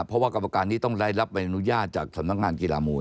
เพราะว่ากรรมการนี้ต้องได้รับใบอนุญาตจากสำนักงานกีฬามวย